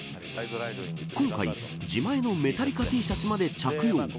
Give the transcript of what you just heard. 今回、自前のメタリカＴシャツまで着用。